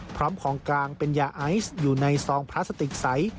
พร้อมของกลางเป็นยาไอซ์อยู่ในซองพลาสติกใส